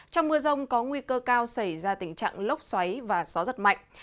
trong mưa rông có nguy cơ cao xảy ra tình trạng lốc xoáy và gió giật mạnh